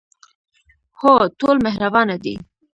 هو، ټول مهربانه دي